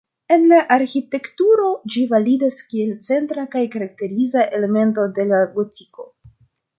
En la arĥitekturo ĝi validas kiel centra kaj karakteriza elemento de la gotiko.